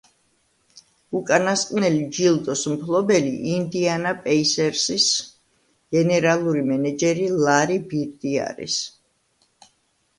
უკანასკნელი ჯილდოს მფლობელი ინდიანა პეისერსის გენერალური მენეჯერი ლარი ბირდი არის.